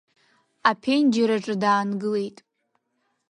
Аԥенџьыр аҿы даангылеит.